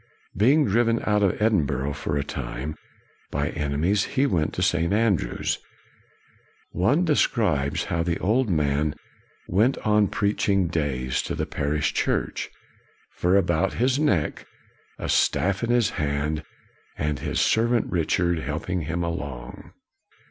1 Being driven out of Edin burgh, for a time, by enemies, he went to St. Andrews. One describes how the old man went on preaching days to the parish church, fur about his neck, a staff in his hand, and his servant, Richard, helping him along.